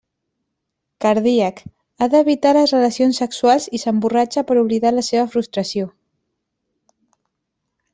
Cardíac, ha d'evitar les relacions sexuals i s'emborratxa per oblidar la seva frustració.